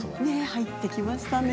入ってきましたね。